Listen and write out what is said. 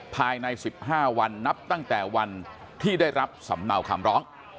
ภายใน๑๕วันนับตั้งแต่วันที่ได้รับสำเนาคำร้อง